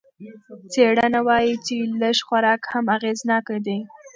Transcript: څېړنه وايي چې لږ خوراک هم اغېزناکه دی.